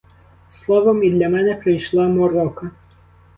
Словом, і для мене прийшла морока.